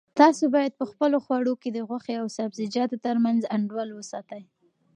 تاسو باید په خپلو خوړو کې د غوښې او سبزیجاتو ترمنځ انډول وساتئ.